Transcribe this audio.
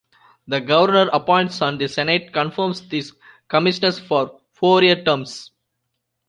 The governor appoints and the Senate confirms these commissioners for four-year terms.